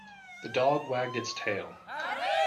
The dog wagged its tail.